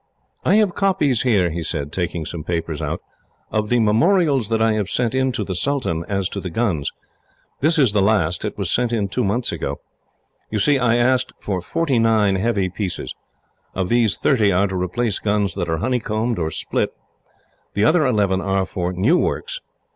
"I have copies here," he said, taking some papers out, "of the memorials that I have sent in to the sultan, as to the guns. This is the last. It was sent in two months ago. You see I asked for forty nine heavy pieces. Of these, thirty are to replace guns that are honeycombed, or split. The other eleven are for new works.